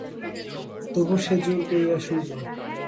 তবু সে জোর করিয়া শুইল।